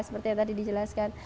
seperti yang tadi dijelaskan